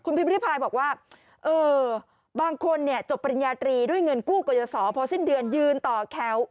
พิมพิริพายบอกว่าบางคนเนี่ยจบปริญญาตรีด้วยเงินกู้ก่อยสอพอสิ้นเดือนยืนต่อแถว